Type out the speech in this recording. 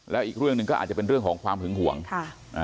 แล้วอีกเรื่องหนึ่งก็อาจจะเป็นเรื่องของความหึงห่วงค่ะอ่า